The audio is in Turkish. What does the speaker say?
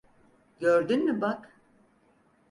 Gördün mü bak?